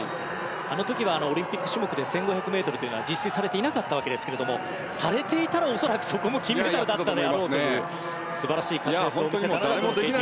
あの時は、オリンピック種目で１５００ｍというのは実施されていなかったんですがされていたら、恐らくそこも金メダルだったであろうという素晴らしい活躍を見せたレデッキー。